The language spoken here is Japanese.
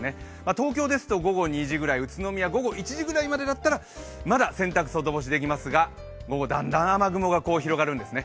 東京ですと午後２時ぐらい、宇都宮だったら午後１時ぐらいまでまだ洗濯外干しできますが午後だんだん雨雲が広がるんですね。